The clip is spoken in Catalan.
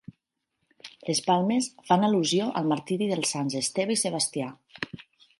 Les palmes fan al·lusió al martiri dels sants Esteve i Sebastià.